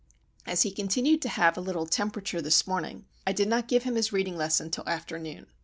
As he continued to have a little "temperature" this morning, I did not give him his reading lesson till afternoon.